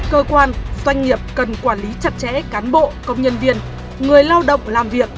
cơ quan doanh nghiệp cần quản lý chặt chẽ cán bộ công nhân viên người lao động làm việc